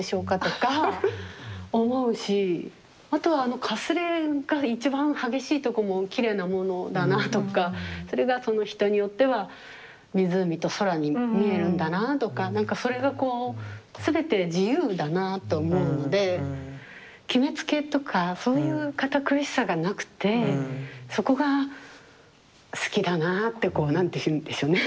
あとはかすれが一番激しいとこもきれいなものだなとかそれがその人によっては湖と空に見えるんだなあとか何かそれがこう全て自由だなあと思うので決めつけとかそういう堅苦しさがなくてそこが好きだなあってこう何て言うんでしょうね